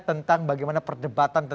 tentang bagaimana perdebatan